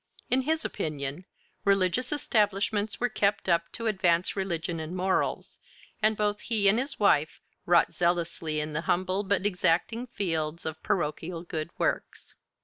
In his opinion, religious establishments were kept up to advance religion and morals. And both he and his wife wrought zealously in the humble but exacting field of parochial good works.